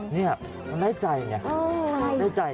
นี่มันได้ใจไง